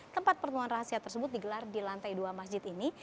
tempat pertemuan rahasia tersebut digelar di lantai dua masjid ini